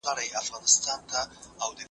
د څېړني پایله باید په حقایقو ولاړه وي.